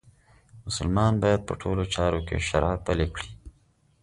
مسلمان باید په ټولو چارو کې شرعه پلې کړي.